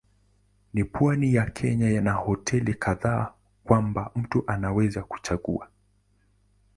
Ni pwani ya Kenya na hoteli kadhaa kwamba mtu anaweza kuchagua.